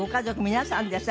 皆さんでさ